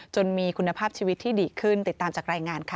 จนมีคุณภาพชีวิตที่ดีขึ้นติดตามจากรายงานค่ะ